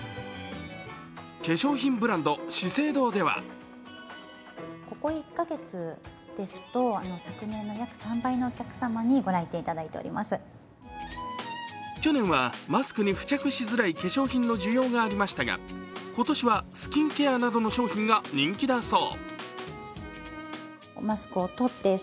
化粧品ブランド、資生堂では去年はマスクに付着しづらい化粧品の需要がありましたが今年はスキンケアなどの商品が人気だそう。